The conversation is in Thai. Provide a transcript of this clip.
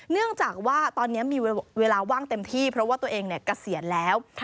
เนื่องจากว่าตอนนี้มีเวลาว่างเต็มที่เพราะว่าตัวเองเกษียณแล้ว